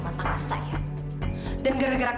jadi mak bahaya mak